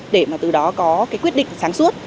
để mà từ đó có cái quyết định sáng suốt